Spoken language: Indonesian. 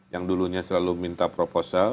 yang dulunya selalu minta proposal